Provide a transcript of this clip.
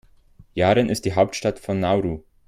Yaren ist die Hauptstadt von Nauru.